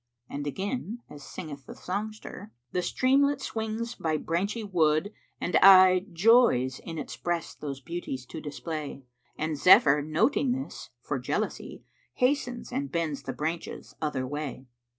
"[FN#384] And again as singeth the songster, "The streamlet swings by branchy wood and aye * Joys in its breast those beauties to display; And Zephyr noting this, for jealousy * Hastens and bends the branches other way."